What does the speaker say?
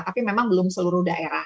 tapi memang belum seluruh daerah